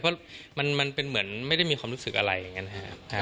เพราะมันเป็นเหมือนไม่ได้มีความรู้สึกอะไรอย่างนั้นนะครับ